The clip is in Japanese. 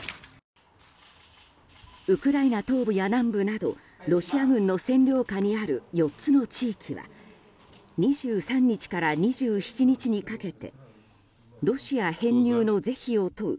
ウクライナ東部や南部などロシア軍の占領下にある４つの地域は２３日から２７日にかけてロシア編入の是非を問う